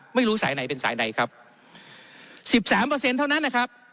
ไม่รู้สายไหนเป็นสายใดครับสิบสามเปอร์เซ็นต์เท่านั้นนะครับ